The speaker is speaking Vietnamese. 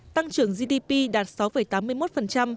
tăng trưởng gdp đạt sáu tám mươi một